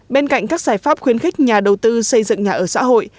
bên cạnh các giải pháp khuyến khích nhà đầu tư xây dựng nhà ở xã hội